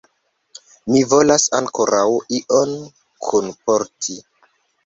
Mi volas ankoraŭ ion kunporti.